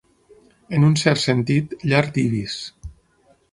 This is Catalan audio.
En un cert sentit, llar d'ibis.